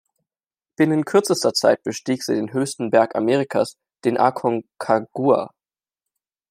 Binnen kürzester Zeit bestieg sie den höchsten Berg Amerikas, den Aconcagua.